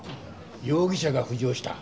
容疑者が浮上した。